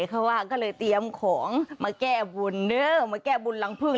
เขาว่าก็เลยเตรียมของมาแก้บนมาแก้บนรังพึ่ง